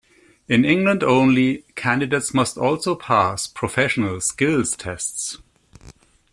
In England only, candidates must also pass professional skills tests.